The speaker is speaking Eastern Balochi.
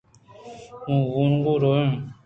ما وانگ ءَ رو ایں